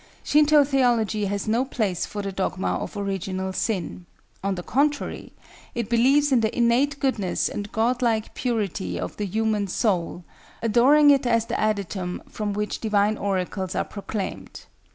Shinto theology has no place for the dogma of "original sin." On the contrary, it believes in the innate goodness and God like purity of the human soul, adoring it as the adytum from which divine oracles are proclaimed.